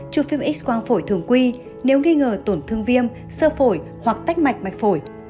chụp phim x quang phổi thường quy nếu nghi ngờ tổn thương viêm sơ phổi hoặc tách mạch phổi